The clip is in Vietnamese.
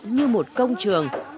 như một công trường